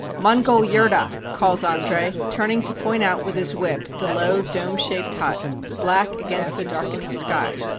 "Mongol yurta!" calls Andre, turning to point out with his whip the low dome shaped hut, black against the darkening sky.